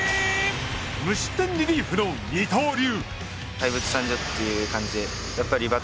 無失点リリーフの二刀流。